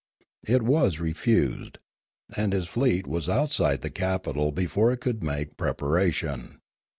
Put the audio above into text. It was refused, and his fleet was outside the capital before it could make prepa ration.